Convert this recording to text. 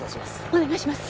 お願いします。